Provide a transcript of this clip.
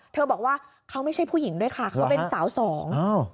บอกว่าเขาไม่ใช่ผู้หญิงด้วยค่ะเขาเป็นสาวสอง